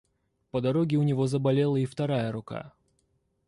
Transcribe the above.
По дороге у него заболела и вторая рука.